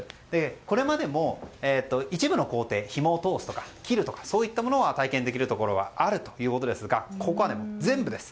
これまでも一部の工程ひもを通すとか、切るとかそういったことを体験できるところはあるということですがここは全部です。